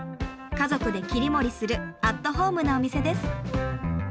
家族で切り盛りするアットホームなお店です。